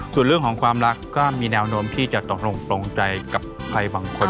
ส่วนเรื่องของความรักก็มีแนวโน้มที่จะตกลงตรงใจกับใครบางคน